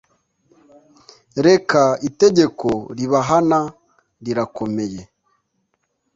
Reka itegeko ribahana rirakomeye